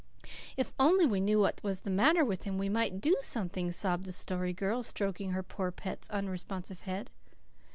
"If we only knew what was the matter with him we might do something," sobbed the Story Girl, stroking her poor pet's unresponsive head.